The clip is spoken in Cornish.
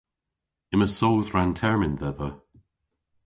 Yma soodh rann-termyn dhedha.